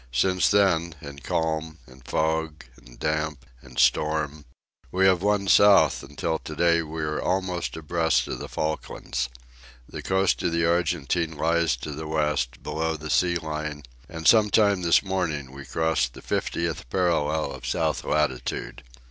Since then, in calm, and fog, and damp, and storm, we have won south until to day we are almost abreast of the Falklands. The coast of the Argentine lies to the West, below the sea line, and some time this morning we crossed the fiftieth parallel of south latitude.